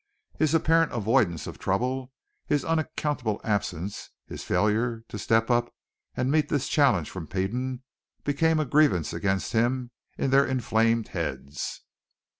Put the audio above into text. His apparent avoidance of trouble, his unaccountable absence, his failure to step up and meet this challenge from Peden, became a grievance against him in their inflamed heads.